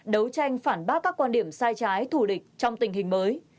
đấu tranh phản bác các quan điểm sai trái thù địch trong tình hình mới